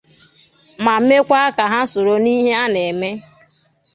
ma mekwa ka ha soro n'ihe a na-eme.